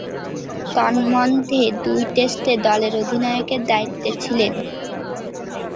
তন্মধ্যে, দুই টেস্টে দলের অধিনায়কের দায়িত্বে ছিলেন।